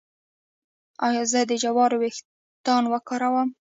ایا زه د جوارو ويښتان وکاروم؟